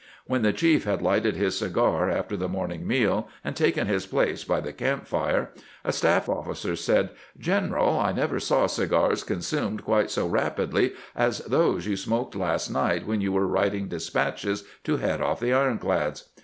When the chief had lighted his cigar after the morning meal, and taken his place by the camp fire, a staf£ oflS.cer said: "Greneral, I never saw cigars consumed quite so rapidly as those you smoked last night when you were writing despatches to head off the ironclads."